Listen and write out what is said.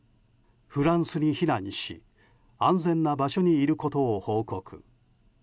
フランスに避難し安全な場所にいることを報告。